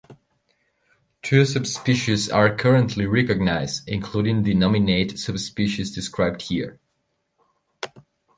Two subspecies are currently recognized, including the nominate subspecies described here.